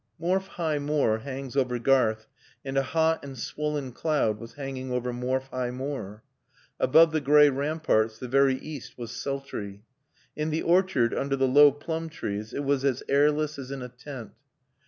Morfe High Moor hangs over Garth and a hot and swollen cloud was hanging over Morfe High Moor. Above the gray ramparts the very east was sultry. In the orchard under the low plum trees it was as airless as in a tent.